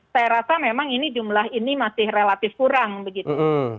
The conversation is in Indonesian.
saya rasa memang ini jumlah ini masih relatif kurang begitu